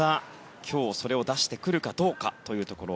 今日、それを出してくるかどうかというところ。